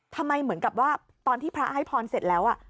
เหมือนกับว่าตอนที่พระให้พรเสร็จแล้ว